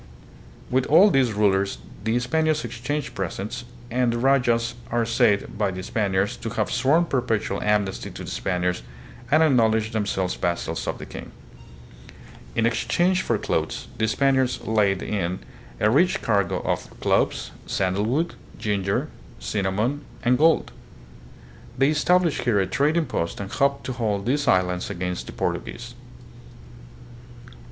With all these rulers the Spaniards exchanged presents, and the rajas are said by the Spaniards to have sworn perpetual amnesty to the Spaniards and ac knowledged themselves vassals of the king. In ex change for cloths, the Spaniards laid in a rich cargo of THE GEE AT GEOGRAPHICAL DISCOVERIES. 83 cloves, sandalwood, ginger, cinnamon, and gold. They established here a trading post and hoped to hold these islands against the Portuguese.